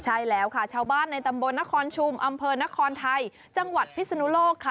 ใช่แล้วค่ะชาวบ้านในตำบลนครชุมอำเภอนครไทยจังหวัดพิศนุโลกค่ะ